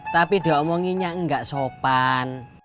tapi dia omonginya enggak sopan